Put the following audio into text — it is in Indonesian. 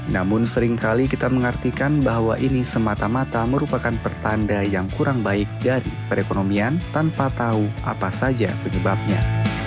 namun seringkali kita mengartikan bahwa ini semata mata merupakan pertanda yang kurang baik dari perekonomian tanpa tahu apa saja penyebabnya